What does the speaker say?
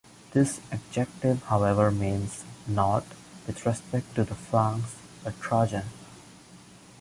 This adjective however means not "with respect to the flanks", but "Trojan".